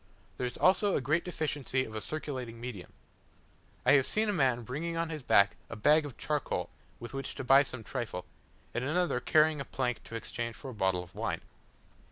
There is also a great deficiency of a circulating medium. I have seen a man bringing on his back a bag of charcoal, with which to buy some trifle, and another carrying a plank to exchange for a bottle of wine.